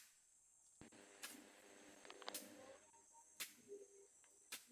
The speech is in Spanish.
Los datos muestran en realidad lo contrario.